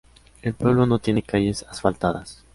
El pueblo no tiene calles asfaltadas.